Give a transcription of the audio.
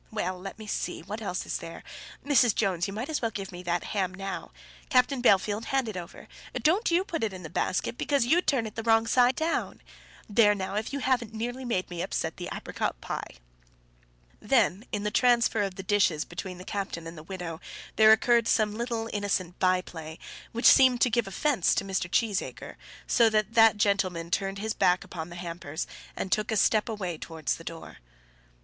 Well; let me see; what else is there? Mrs. Jones, you might as well give me that ham now. Captain Bellfield, hand it over. Don't you put it into the basket, because you'd turn it the wrong side down. There now, if you haven't nearly made me upset the apricot pie." Then, in the transfer of the dishes between the captain and the widow, there occurred some little innocent by play, which seemed to give offence to Mr. Cheesacre; so that that gentleman turned his back upon the hampers and took a step away towards the door.